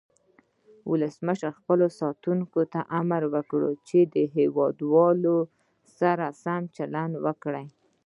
ولسمشر خپلو ساتونکو ته امر وکړ چې د هیواد والو سره سم چلند وکړي.